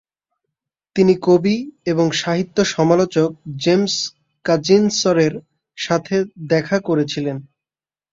তিনি কবি এবং সাহিত্য সমালোচক জেমস কাজিন্সেরর সাথে দেখা করেছিলেন।